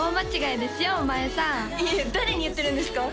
いやいや誰に言ってるんですか？